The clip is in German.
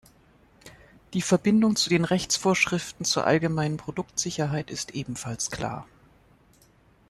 Die Verbindung zu den Rechtsvorschriften zur allgemeinen Produktsicherheit ist ebenfalls klar.